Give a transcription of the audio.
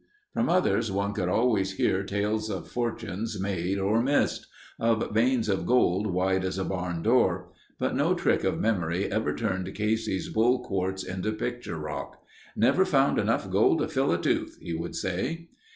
From others one could always hear tales of fortunes made or missed; of veins of gold wide as a barn door. But no trick of memory ever turned Casey's bull quartz into picture rock. "Never found enough gold to fill a tooth," he would say.